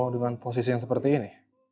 dengan posisi yang seperti ini